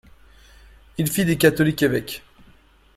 Il fit des catholiques évêques.